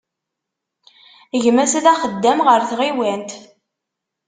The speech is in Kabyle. Gma-s d axeddam ɣer tɣiwant.